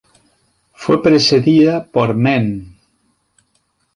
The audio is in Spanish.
Fue precedida por "Mem.